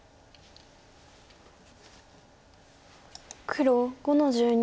黒５の十二。